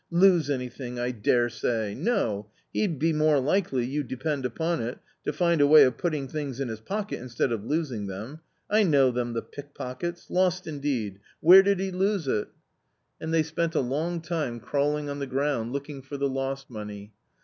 lose anything — I daresay ! no ; he'd be more likely, you depend upon it, to find a way of putting things in his pocket instead of losing them ! I know them, the pickpockets ! lost indeed ! where did he lose it?" A COMMON STORY 127 And they spent a long time crawling on the ground, look ing for the lost money.